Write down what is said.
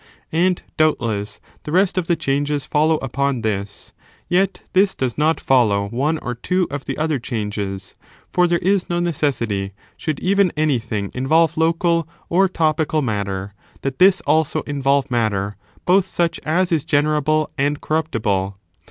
And, doubtless, the rest of the changes follow upon this; yet this does not follow one or two of the other changes : for there is no necessity, should even anything involve local or topical matter, that this also involve matter, both such as is generable and corruptible.